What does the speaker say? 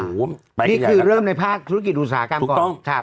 นี่คือเริ่มในภาคธุรกิจอุตสาหกรรมถูกต้อง